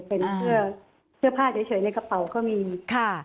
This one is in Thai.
เป็นเสื้อผ้าเฉยในกระเป๋าก็มีค่ะ